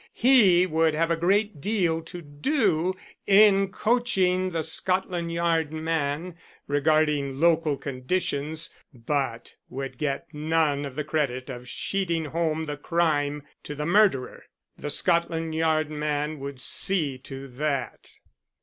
He would have a great deal to do In coaching the Scotland Yard man regarding local conditions, but would get none of the credit of sheeting home the crime to the murderer. The Scotland Yard man would see to that.